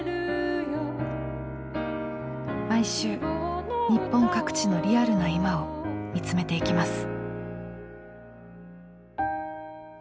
毎週日本各地のリアルな今を見つめていきます。